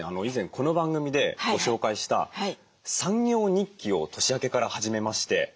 以前この番組でご紹介した３行日記を年明けから始めまして。